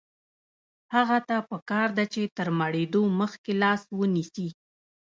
هغه ته پکار ده چې تر مړېدو مخکې لاس ونیسي.